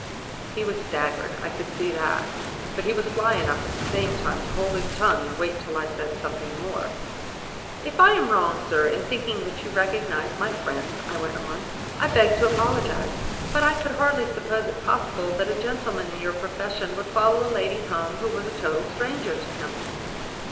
"He was staggered; I could see that. But he was sly enough at the same time to hold his tongue and wait till I said something more. "'If I am wrong, sir, in thinking that you recognized my friend,' I went on, 'I beg to apologize. But I could hardly suppose it possible that a gentleman in your profession would follow a lady home who was a total stranger to him.